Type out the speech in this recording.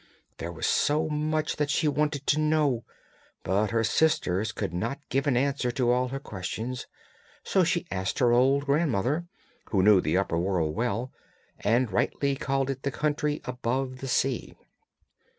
There was so much that she wanted to know, but her sisters could not give an answer to all her questions, so she asked her old grandmother, who knew the upper world well, and rightly called it the country above the sea.